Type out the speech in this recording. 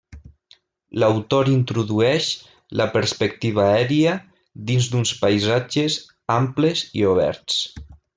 L'autor introdueix la perspectiva aèria dins d'uns paisatges amples i oberts.